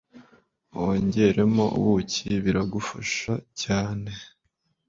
wongeremo ubuki biragufasha cyane